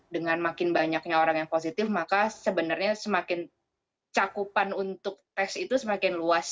dengan makin banyaknya orang yang positif maka sebenarnya semakin cakupan untuk tes itu semakin luas